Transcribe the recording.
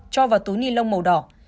cho vào túi ni lông màu đỏ